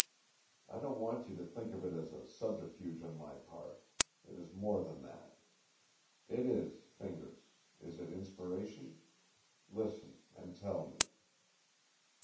I don't want you to think of it as a subterfuge on my part. It is more than that. It is Fingers, is it inspiration? Listen, and tell me."